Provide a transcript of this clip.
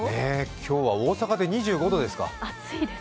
今日は大阪で２５度ですか。